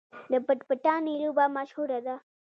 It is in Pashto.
د پټ پټانې لوبه مشهوره ده.